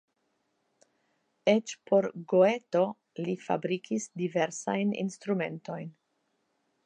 Eĉ por Goeto li fabrikis diversajn instrumentojn.